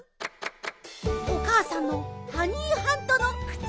おかあさんのハニーハントのくつ！